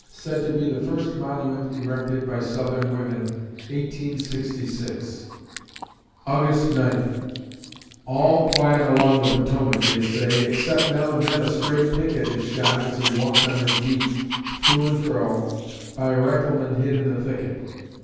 said to be the first monument erected by Southern women, 1866_ August Ninth "All quiet along the Potomac," they say, "Except now and then a stray picket Is shot, as he walks on his beat, to and fro, By a rifleman hid in the thicket.